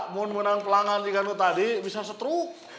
mun menang pelanggan di gandu tadi bisa setru